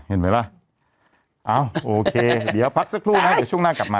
เห็นไหมล่ะอ้าวโอเคเดี๋ยวพักสักครู่นะเดี๋ยวช่วงหน้ากลับมา